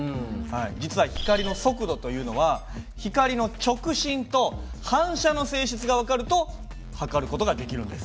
実は光の速度というのは光の直進と反射の性質が分かると測る事ができるんです。